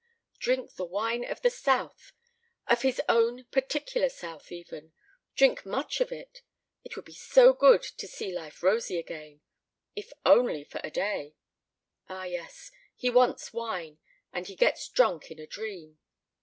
Drink the wine of the South of his own particular South, even drink much of it it would be so good to see life rosy again, if only for a day! Ah yes, he wants wine; and he gets drunk in a dream.